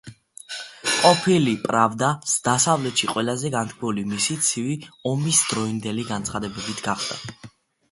ყოფილი პრავდა დასავლეთში ყველაზე განთქმული მისი ცივი ომისდროინდელი განცხადებებით გახდა.